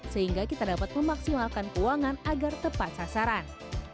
sehingga kita dapat memaksimalkan keuangan agar tepat sasaran